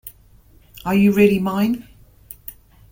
Are You Really Mine?